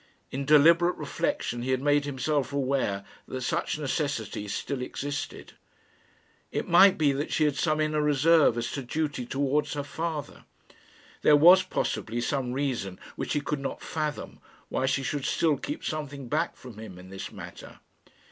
In deliberate reflection he had made himself aware that such necessity still existed. It might be that she had some inner reserve as to duty towards her father. There was, possibly, some reason which he could not fathom why she should still keep something back from him in this matter.